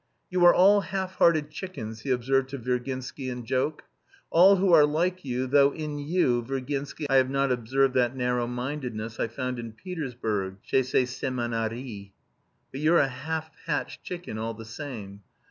"You are all half hearted chickens," he observed to Virginsky in joke. "All who are like you, though in you, Virginsky, I have not observed that narrow mindedness I found in Petersburg, chez ces séminaristes. But you're a half hatched chicken all the same.